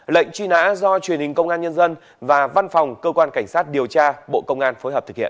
lệnh truy nã do truyền hình công an nhân dân và văn phòng cơ quan cảnh sát điều tra bộ công an phối hợp thực hiện